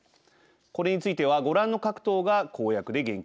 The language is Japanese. これについてはご覧の各党が公約で言及しています。